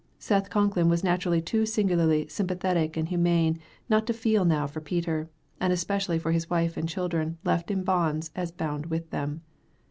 Seth Concklin was naturally too singularly sympathetic and humane not to feel now for Peter, and especially for his wife and children left in bonds as bound with them.